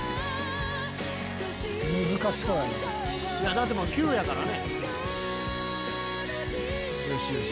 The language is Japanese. だってもう９やからね。